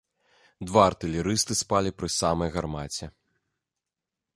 Два артылерысты спалі пры самай гармаце.